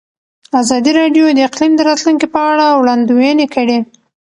ازادي راډیو د اقلیم د راتلونکې په اړه وړاندوینې کړې.